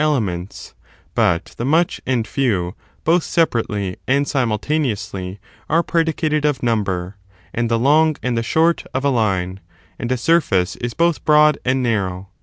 *" elements; but the much and few, both separ rately and simultaneously, are predicated of number, and the long and the short of a line, and a surface is both broad and narrow.